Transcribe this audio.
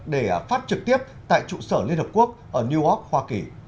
để phát trực tiếp tại trụ sở liên hợp quốc ở new york hoa kỳ